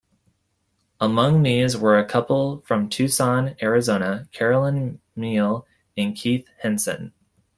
Among these were a couple from Tucson, Arizona, Carolyn Meinel and Keith Henson.